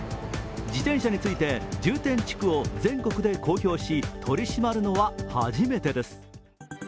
自転車について重点地区を全国で公表し取り締まるのは初めてです。